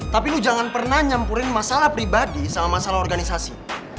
tapi lu jangan pernah nyampurin masalah pribadi sama masalah organisasi